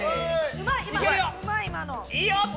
うまい。